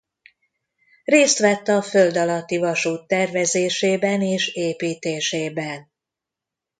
Részt vett a földalatti vasút tervezésében és építésében.